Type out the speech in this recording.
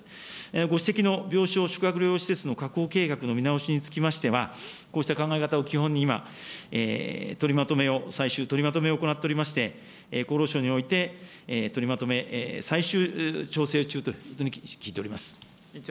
ご指摘の病床、宿泊療養施設の確保計画の見直しにつきましては、こうした考え方を基本に今、取りまとめを、最終取りまとめを行っておりまして、厚労省において取りまとめ、最終調整中というふうに聞いております。